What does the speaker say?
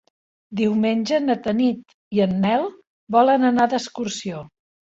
Diumenge na Tanit i en Nel volen anar d'excursió.